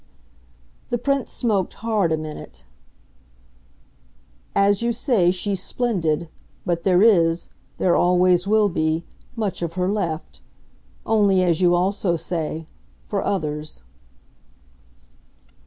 The Prince smoked hard a minute. "As you say, she's splendid, but there is there always will be much of her left. Only, as you also say, for others."